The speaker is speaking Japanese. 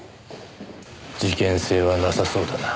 事件性はなさそうだな。